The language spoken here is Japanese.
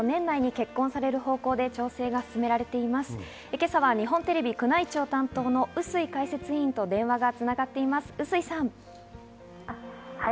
今朝は日本テレビ宮内庁担当の笛吹解説委員と電話が繋がっています、笛吹さん。